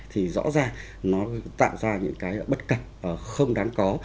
thì rõ ràng nó tạo ra những cái bất cập không đáng có